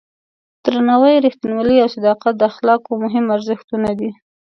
درناوی، رښتینولي او صداقت د اخلاقو مهم ارزښتونه دي.